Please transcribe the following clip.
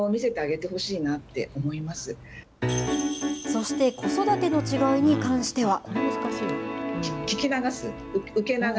そして、子育ての違いに関しては。